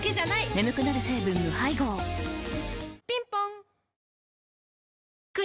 眠くなる成分無配合ぴんぽん